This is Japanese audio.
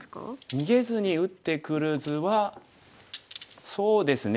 逃げずに打ってくる図はそうですね